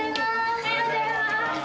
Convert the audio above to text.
おはようございます。